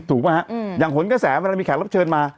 ฮะอย่างหนกระแสเวลามีแขกรับเชิญมา